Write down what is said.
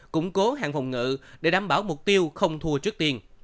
củng cố hàng phòng ngự để đảm bảo mục tiêu không thua trước tiền